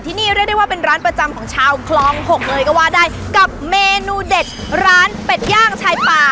ที่นี่เรียกได้ว่าเป็นร้านประจำของชาวคลองหกเลยก็ว่าได้กับเมนูเด็ดร้านเป็ดย่างชายป่า